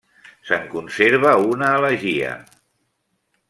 Se'n conserva una elegia.